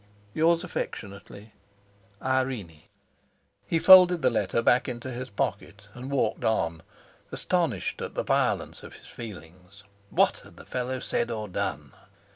"Yours affectionately, "IRENE." He folded the letter back into his pocket and walked on, astonished at the violence of his feelings. What had the fellow said or done?